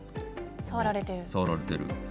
触られている。